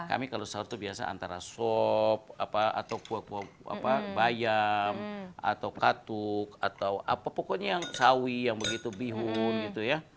kami kalau sahur itu biasa antara sop atau kuah kuah bayam atau katuk atau apa pokoknya yang sawi yang begitu bihun gitu ya